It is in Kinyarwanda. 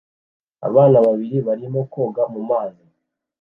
Abantu babiri barimo koga mu mazi